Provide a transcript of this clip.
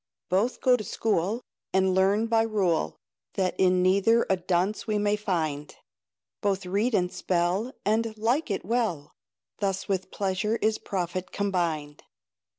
Both go to school, And learn by rule That in neither a dunce we may find; Both read and spell And like it well; Thus with pleasure is profit combined.